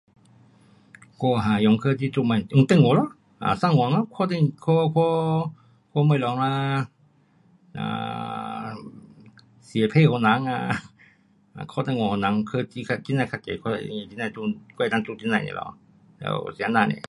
我啊用科技做什么，用电话咯，um 上网咯，看电话，看，看东西啊，um 写信给人啊， 打电话给人，科技这样较易，我能够做这样的东西。了，是这样 nia